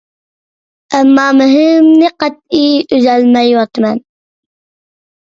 ئەمما مېھرىمنى قەتئىي ئۈزەلمەيۋاتىمەن.